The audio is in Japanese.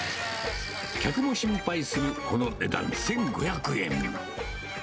客も心配するこの値段、１５００円。